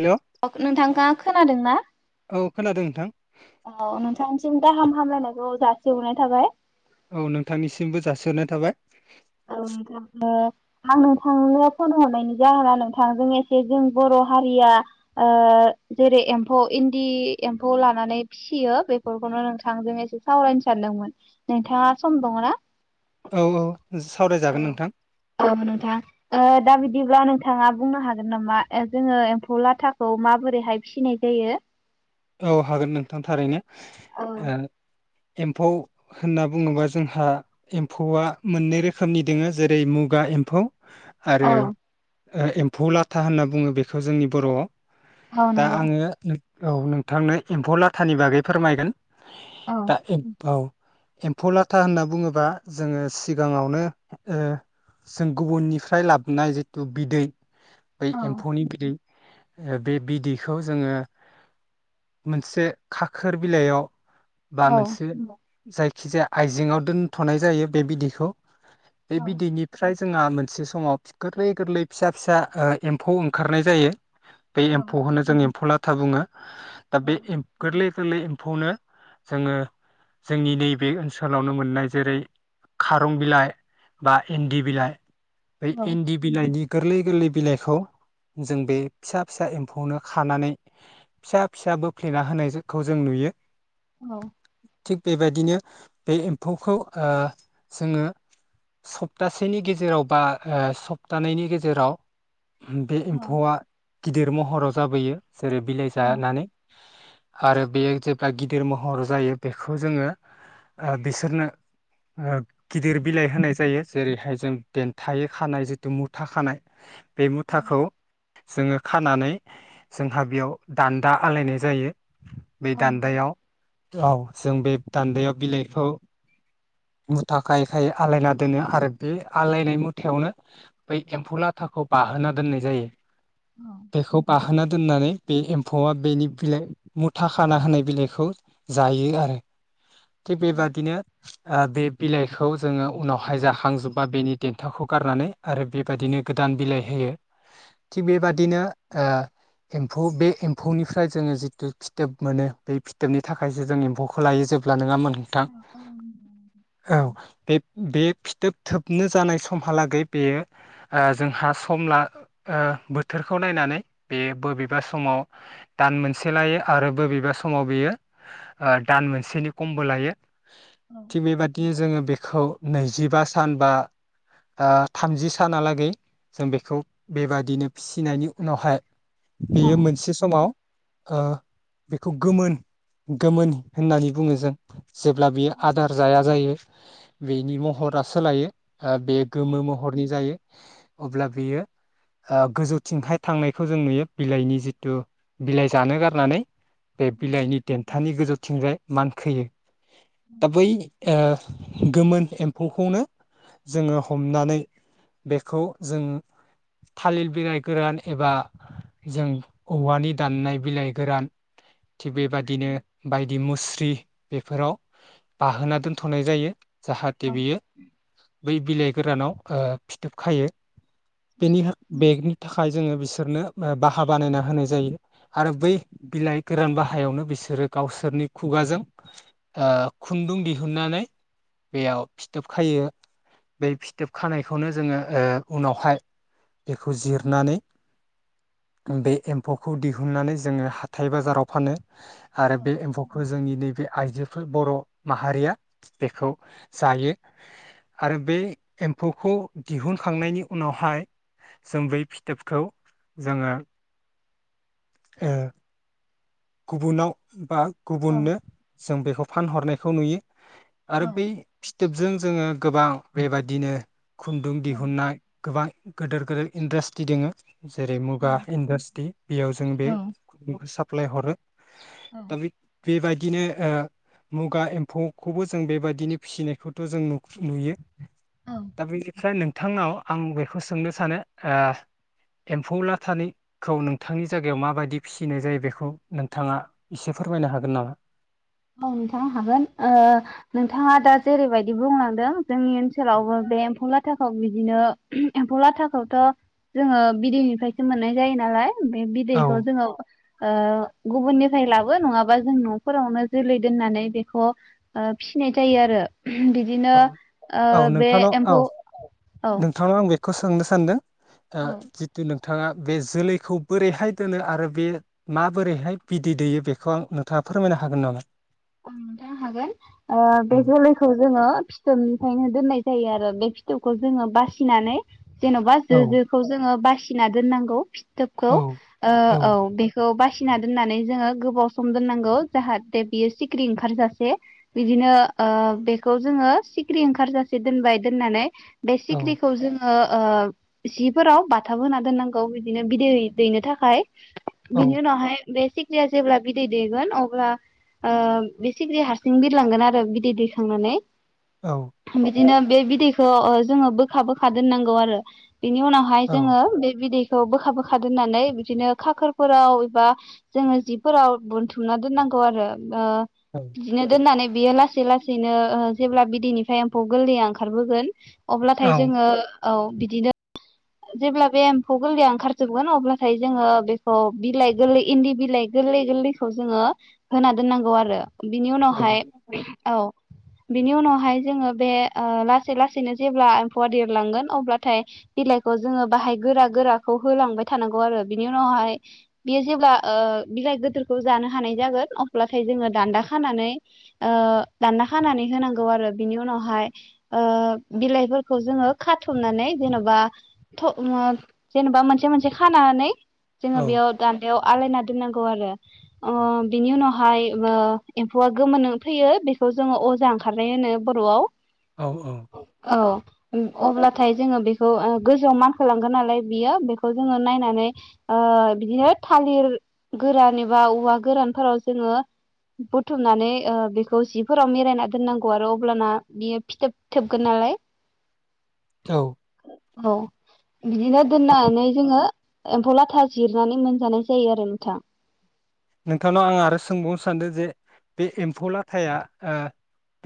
Hello नोंथाङा खोनादों ना औ खोनादों नोंथां औ नोंथांनिसिम गाहाम हामलायनायखौ जासिहरनाय थाबाय औ नोंथांनिसिमबो जासिहरनाय थाबाय औ आं नोंथांनो फन हरनायनि जाहोना नोंथांजों एसे जों ओ बर हारिया जेरै एम्फौ इन्दि एम्फौ लानानै फिसियो बेफोरखौनो नोंथांजों एसे सावरायनो सानदोंमोन नोंथाङा सम दंङ ना औ औ औ सावरायजागोन नोंथां औ नोंथां दा बिदिब्ला नों- थांङा बुंनो हागोन नामा जोङो एम्फौ लाथाखौ माबोरैहाय फिसिनाय जायो। औ हागोन नोंथां थारैनो औ ओ एम्फौ होनना बुंङोबा जोंहा एम्फौआ मोननै रोखोमनि दोंङो जेरै मुगा एम्फौ औ आरो एम्फौ लाथा होनना बुंङो बेखौ जोंनि बर'आव औ दा नंगौ आंङो औ नों थांनो एम्फौ लाथानि बागै फोरमायगोन औ दा एम औ एम्फौ लाथा होनना बुंङोबा जोंङो सिगांङावनो जों ओ गुबुननिफ्राय लाबोनाय जिथु बिदै बै औ एम्फौनि बिदै बे बिदैखौ जोंङो मोनसे खाखोर बिलाइयाव बा औ मोनसे जायखिजाया आइजेंआव दोनथनाय जायो बे बिदैखौ बे औ बिदैनिफ्राय जोंहा मोनसे समाव गोरलै गोरलै फिसा फिसा ओ एम्फौ ओंखारनाय जायो। बे औ एम्फौखौनो जों एम्फौ ला था बुङो। दा बे एम गोरलै गोरलै एम्फौनो जोङो जोंनि नैबे ओनसोलावनो मोननाय जेरै खारं बिलाइ बा इन्दि बिलाइ बै औ इन्दि बिलाइनि गोरलै गोरलै बिलाइखौ जों बे फिसा फिसा एम्फौआवनो खानानै फिसा फिसा बोफ्लेना होनायखौ जों नुयो। औ। थिग बेबायदिनो बे एम्फौखौ ओ जोङो सप्तासेनि गेजेराव बा ओ सप्तानैनि गेजेराव बे औ एम्फौआ गिदिर महराव जाबोयो जेरै बिलाइसि औ जानानै आरो बेयो जेब्ला गिदिर महर जायो बेखौ जोङो ओ बिसोरनो ओ गिदिर बिलाइ होनाय जायो जेरैहाय जों देन्थायै खानाय जिथु मुथा खानाय बे औ मुथाखौ जोङो खानानै जोंहा बेयाव दान्दा आलायनाय जायो। बे नंगौ दान्दायाव औ जों बे दान्दायाव बिलाइखौ मुथा खायै खायै आलायना दोनो आरो बे आलायनाय मुथायावनो बै एम्फौ लाथाखौ बाहोना दोननाय जायो। औ बेखौ बाहोनो दोननानै बे एम्फौआ बेनि बिलाइ मुथा खाना होनाय बिलाइखौ जायो आरो। थिग औ बेबादिनो बे बिलाइखौ जोङो उनावहाय जाखाजोब्बा बेनि देन्थाखौ गारनानै आरो बेबायदिनो गोदान बिलाइ होयो। थिग बेबादिनो ओ एम्फौ बे एम्फौनिफ्राय जोङो जिथु फिथोब मोनो बे फिथोबनि थाखायसो जों एम्फौखौ लायो जेब्ला नङा मोनो अ अ नोंथां। औ बे बे। फिथोब थोबनो जानाय समहालागै बेयो ओ जोंहा सम ला ओ बोथोरखौ नायनानै बेयो बबेबा समाव दान मोनसे लायो आरो बबेबा समाव बेयो ओ दान मोनसेनि खमबो लायो। औ थिग बेबायादियै जोङो बेखौ नैजिबा सान बा ओ थामजि सानालागै जों बेखौ बेबादिनो फिसिनायनि उनावहाय औ औ बेयो मोनसे समाव ओ बेखौ गोमोन गोमोन होननानै बुङो जों जेब्ला बेयो आदार जाया जायो बेनि महरा सोलायो। ओ बे गोमो महरनि जायो। अब्ला बियो ओ गोजौथिंहाय थांनायखौ जों नुयो बिलाइनि जिथु बिलाइ जानो गारनानै। बे बिलाइनि देन्थानि गोजौ थिंजाय मानखोयो। दा बै गोमोन एम्फौखौनो जोङो हमनानै बेखौ जों थालिर बिलाइ गोरान एबा जों औवानि दाननाय बिलाइ गोरान थिग बेबादिनो बाय दि मुस्रि बेफोराव बाहोना दोनथ'नाय जायो। जाहाथे बियो बै बिलाइ गोरानाव फिथोब खायो। बेनि थाखाय थाखाय जोंङो बिसोरनो बाहा बानायना होनाय जायो आरो बै बिलाइ गोरान बाहायावनो बिसोरो गावसोरनि खुगाजों खुन्दुं दिहुननानै बेयाव फिथोब खायो बे फिथोब खानायखौनो जोङो उनावहाय बेखौ जिरनानै बे एम्फौखौ दिहुननानै जोंङो हाथाय बाजाराव फानो। आरो बे एम्फौखौ जोंनि नैबे बे आइजोफोर बर' माहारिया बेखौ जायो आरो बे एम्फौखौ दिहुनखांनायनि उनावहाय जों बै फिथोबखौ जोंङो गुबुनाव बा गुबुननो जों बेखौ फानहरनाय खौ नुयो आरो बै फिथोबजों जोंङो गोबां बेबादिनो खुन्दुं दिहुननाय गोबां गिदोर गेदोर इन्डास्ट्रि दोंङो। जेरै मुगा इन्डास्ट्रि बेयाव जों बे सा प्लाय हरो। औ दा बि बेबायदिनो ओ मुगा एम्फौखौबो जों बेबायदिनो फिसिनायखौथ' जों नुयो औ औ दा बेनिफ्राय नोंथांनाव आं बेखौ सोंनो सानो एम्फौ ला थानायखौ नोंथांनि जायगायाव माबायदि फिसिनाय जायो। बेखौ नोंथाङा एसे फोरमायनो हागोन नामा? औ नोंथां हागोन नोंथाङा दा जेरैबायदि बुंलांदों जोंनि ओनसोलावबो बे एम्फौला थाखाखौ बिदिनो एम्फौ लाथाखौथ' जोंङो बिदैनिफ्रायसो मोननाय जायो नालाय बे औ बिदैखौ जोंङो गुबुननिफ्राय लाबो नङाबा जों न'फोरावनो जोलै दोननानै बेखौ ओ फिनाय जायो आरो। बिदिनो औ ओ बे एम्फौ औ नोंथांङा बेखौ सोंनो सान्दों ओ औ जितु नों नोंथाङा बे जोलैखौ बोरैहाय दोनो आरो बे माबोरैहाय बिदै दैयो बेखौ आं नोंथाङा फोरमायनो हागोन नामा? थानो हागोन बे औ जोलैखौ जोंङो फिथोबनि खायनो दोननाय जायो आरो बे फिथौखौ जोङो बासिनानै जेन'बा औ जो जोखौ जोंङो बासि खिना दोननांगौ थोबखौ औ ओ औ बेखौ [unintelligible] फिसिना दोननानै जोंङो गोबाव सम दोननांगौ जाहाथे बियो सिख्रि ओंखारजासे बिदिनो ओ बेखौ जोङो सिख्रि ओंखारजासे दोनबाय दोननानै बे औ सिख्रिखौ जों ओ ओ सिफोराव बाथाब होना दोननांगौ बिदिनो बिदै दैनो थाखाय औ बिनि उनावहाय बे सिक्रिया जेब्ला बिदै दैगोन अब्ला ओ बे सिग्रिया हारसिं बिरलांगोन आरो बिदै दैखांनानै औ बिदिनो बे बिदैखौ जोङो बोखा बोखा दोननांगौ आरो बिनि उनावहाय औ जोङो बे बिदै खौ बोखा बोखा दोननानै बिदिनो खाखोरफोराव एबा जोङो जिफोराव बोनथुमना दोननांगौ आरो ओ बिदिनो दोननानै बियो लासै लासैनो ओ जेब्ला बिदैनिफ्राय एम्फौ गोरलैया ओंखारबोगोन औ अब्लाथाय जोङो औ बिदिनो जेब्ला बे एम्फौ गोरलैया ओंखारजोबगोन अब्लाथाय जोङो बेखौ बिलाइ गोरलै इन्दि बिलाइ गोरलै गोरलैखौ जोङो होना दोननांगौ आरो बिनि उनावहाय औ बिनि उनावहाय जोङो बे ओ लासै लासैनो जेब्ला एम्फौआ देरलांगोन अब्लाथाय बिलाइखौ जोङो बाहाय गोरा गोराखौ होलांबाय थानांगौ आरो बिनि उनावहाय बियो जेब्ला ओ बिलाइ गोदोरखौ जानो हानाय जागोन अब ब्लाथाय जोङो दान्दा खानानै ओ दान्दा खानानै होनांगौ आरो बिनि उनावहाय ओ बिलाइफोरखौ जोङो खाथुमनानै जेन'बा जेनेबा मोनसे मोनसे खानानै जोङो बेयाव दान्दायाव आलायना दोननांगौ ख आरो अ बिनि उनाव हाय ओ एम्फौआ गोमोन फैयो बेखौ जोङो अजा ओंखारनाय होनो बर'आव औ औ [inaudible] औ अब्लाथाय जोङो बेखौ गोजौआव मानखोलांगोन नालाय बियो बेखौ जोङो नायनानै बिदिनो थालिर गोरान एबा औवा गोरानफोराव जोङो बुथुमनानै ओ बेखौ जिफोराव मिरायना दोननांगौ आरो अब्लाना बियो फिथोबथोबगोन नालाय औ [inaudible] औ बिदिनो दोननानै जोङो एम्फौ लाथा जिरनानै मोनजानाय जायो आरो नोंथां नोंथांनाव आं आरो सोंबावनो सानदों जे बे एम्फौलाथायआ ओ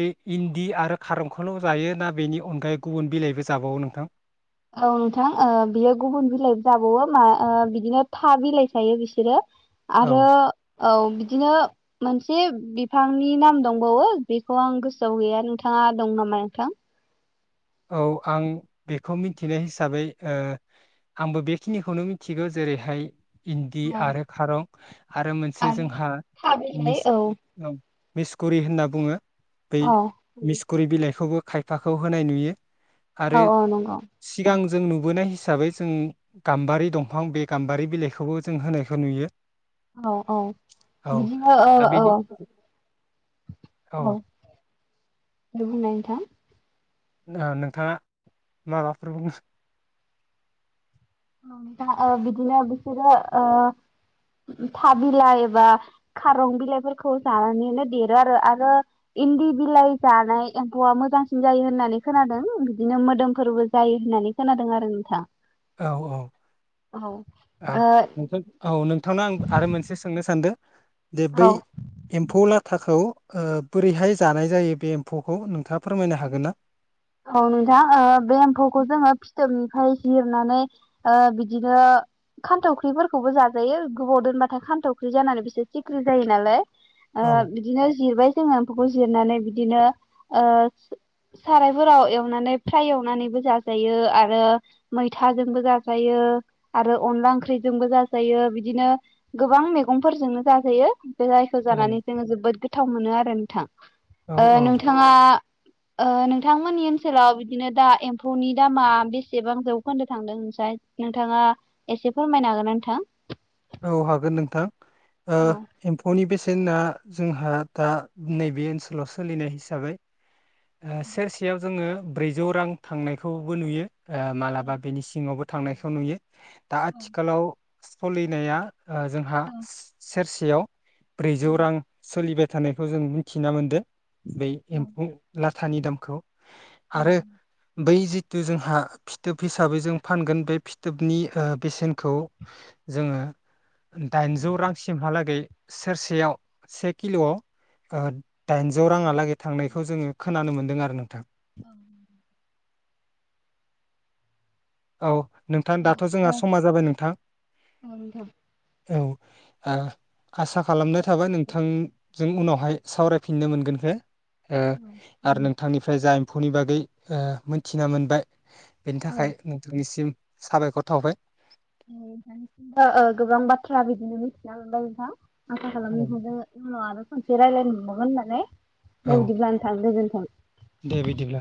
बे इन्दि आरो खारंखोल जायो ना बेनि अनगायै गुबुन बिलाइबो जाबावो नोंथां? औ नोंथां ओ बियो गुबुन बिलाइ जाबावो मा ओ बिदिनो था बिलाइ जायो बिसोरो। औ आरो औ बिदिनो मोनसे बिफांनि नाम दंबावो बेखौ आं गोसोआव गैया नोंथाङा दं नामा नोंथां? औ आं बेखौ मिथिनाय हिसाबै आंबो बेखिनिखौनो मिथिगौ जेरैहाय इन्दि औ आरो खारौ आरो मोनसे आरो जोंहा था मिस बिलाइ औ औ मिसकुरि होनना बुङो बै औ मिस गुरै बिलाइखौबो खायफाखौ होनाय नुयो, आरो औ औ नंगौ सिगां जों नुबोनाय हिसाबै जों गाम्बारि दंफां बे गाम्बारि बिलाइखौबो जों होनायखौ नुयो, औ-औ औ बिदिनो दा बेनि औ औ-औ-औ ओ दे बुंनाय, [inaudible] ओ नोंथांङा माबाफोर बुं नोंथांङा ओ बिदिनो बिसोरो ओ था बिलाइ एबा खारं बिलाइफोरखौ जानानैनो देरो आरो आरो इन्दि बिलाइ जानाय एम्फौआ मोजांसिन जायो होननानै खोनादों बिदिनो मोदोमफोरबो जायो होननानै खोनादों आरो नोंथां, औ औ-औ ओ नोंथां औ नों नोंथां नो आं आरो मोनसे सोंनो सानदो, दे बै औ एम्फौ लाथा थाखौ बोरैहाय जानाय जायो बे एम्फौखौ नोंथांङा फोरमायनो हागोन ना? औ नोंथां बे एम्फौखौ जोंङो फिथोबनिफ्राय जिरनानै, ओ बिदिनो खान्थावख्रिफोरखौबो जाजायो गोबाव दोनबाथाय खान्थावख्रि जानानै बिसोर सिख्रि जायो नालाय, ओ औ बिदिनो जिरबाय जोंङो, एम्फौखौ जिरनानै बिदिनो ओ साराय फोराव एवनानै फ्राय एवनानैबो जाजायो आरो मैथाजोंबो जाजायो आरो अनला ओंख्रिजोंबो जाजायो बिदिनो गोबां मैगंफोरजोंनो जाजायो, बे जायखौ औ जानानै जोंङो जोबोद गोथाव मोनो आरो [unintelligible] औ ओ औ नोंथांङा ओ नोंथांमोननि ओनसोलाव बिदिनो दा एम्फौनि दामा बेसेबां जौखोन्दो थांदों नोंथांङा एसे फोरमायनो हागोन नोंथां? औ हागोन नोंथां ओ औ एम्फौनि बेसे बेसेना जोंहा दा नैबे ओनसोलाव सोलिनाय हिसाबै सेरसेयाव जोंङो ब्रैजौ रां थांनायखौबो नुयो, मालाबा बेनि सिङावबो थांनायखौ नुयो, दा आथिखालाव स'लिनाया ओ जोंहा सेरसेआव सेरसेयाव ब्रैजौ रां सोलिबाय थानायखौ जों मिथिना मोनदो बे एम्फौ लाथानि दामखौ आरो बै जि थु जोंहा फिथोब हिसाबै जों फानगोन बे फिथोबनि ओ बेसेनखौ जोङो दाइनजौ रांसिमहालागै सेरसेयाव से किल'वाव ओ दाइनजौ राङालागै थांनाय खौ जोङो खोनानो मोन्दों आरो नोंथां ओं औ नोंथां दाथ' जोंहा समा जाबाय नोंथां औ आ आसा खालामनाय थाबाय नोंथां जों उनावहाय सावरायफिननो मोनगोनखो ओ आरो नों थांनिफ्राय जा एम्फौनि बागै ओ मोनथिना मोनबाय बेनि थाखाय सिम साबायखर थाबाय नोंथांनिफ्रायबो ओ गोबां बाथ्रा बिदिनो मिथिना मोनबाय नोंथां आसा औ खालामनाय थाबाय उनाव आरो खनसे रायलायनो मोनबावगोन होननानै दे औ बिदिब्ला नोंथां दे गोजोनथों। बिदिब्ला